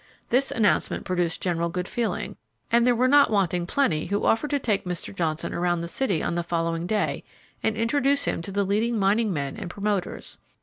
This announcement produced general good feeling, and there were not wanting plenty who offered to take Mr. Johnson around the city on the following day and introduce him to the leading mining men and promoters.